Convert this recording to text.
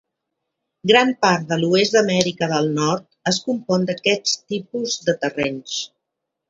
Gran part de l'oest d'Amèrica del Nord es compon d'aquests tipus de terrenys.